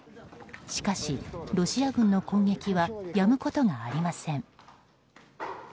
しかし、ロシア軍の攻撃はやむことがありません。